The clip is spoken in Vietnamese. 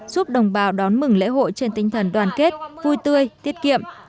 giúp đồng bào đón mừng lễ hội trên tinh thần đoàn kết vui tươi tiết kiệm